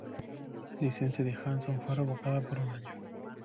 Licencia de Hanson fue revocada por un año.